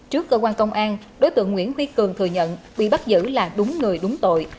trước cơ quan công an đối tượng nguyễn huy cường thừa nhận bị bắt giữ là đúng người đúng tội